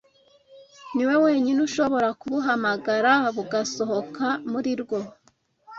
niwe wenyine ushobora kubuhamagara bugasohoka muri rwo